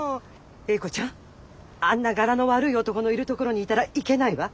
英子ちゃんあんなガラの悪い男のいるところにいたらいけないわ。